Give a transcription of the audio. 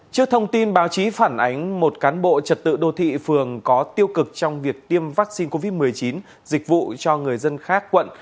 trước thông tin báo chí phản ánh một cán bộ trật tự đô thị phường có tiêu cực trong việc tiêm vaccine covid một mươi chín dịch vụ cho người dân khác quận